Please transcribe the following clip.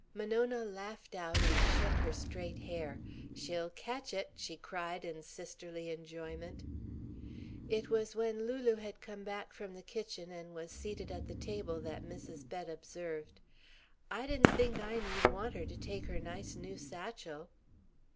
Monona laughed out and shook her straight hair. "She'll catch it!" she cried in sisterly enjoyment. It was when Lulu had come back from the kitchen and was seated at the table that Mrs. Bett observed: "I didn't think Inie'd want her to take her nice new satchel."